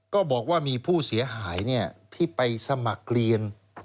ก็บอกว่ามีผู้เสียหายที่ไปสมัครเรียน